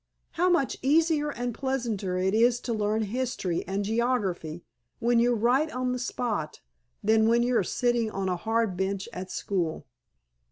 How much easier and pleasanter it is to learn history and geography when you're right on the spot than when you are sitting on a hard bench at school!"